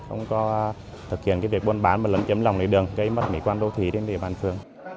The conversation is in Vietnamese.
không có thực hiện việc buôn bán và lấn chấm lòng lề đường gây mất mỹ quan đô thí đến địa bàn thường